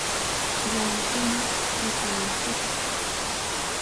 Yanuhuni mikunanchipa.